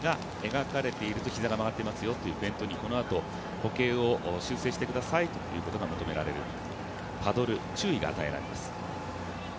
描かれていると、膝が曲がっていますよということでこのあと歩型を修正してくださいということが求められるパドル、注意が与えられます。